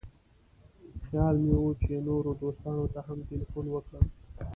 خیال مې و چې نورو دوستانو ته هم تیلفون وکړم.